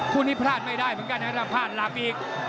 คู่นี้พลาดไม่ได้เหมือนกันนะถ้าพลาดหลับอีก